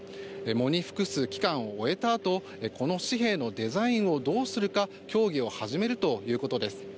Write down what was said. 喪に服す期間を終えたあとこの紙幣のデザインをどうするか協議を始めるということです。